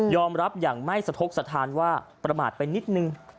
รับอย่างไม่สะทกสถานว่าประมาทไปนิดนึง